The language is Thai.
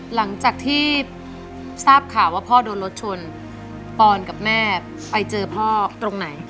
หลังจากที่ทราบข่าวว่าพ่อโดนรถชนปอนกับแม่ไปเจอพ่อตรงไหน